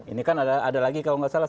ini kan ada lagi kalau nggak salah